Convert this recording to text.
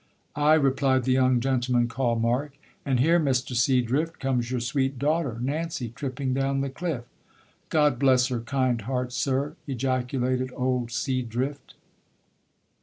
'Ay,' replied the young gentleman called Mark, 'and here, Mr. Seadrift, comes your sweet daughter Nancy tripping down the cliff.' 'God bless her kind heart, sir,' ejaculated old Seadrift.